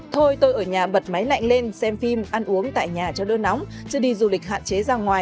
thôi tôi ở nhà bật máy lạnh lên xem phim ăn uống tại nhà cho đưa nóng chứ đi du lịch hạn chế ra ngoài thì ý nghĩa gì vậy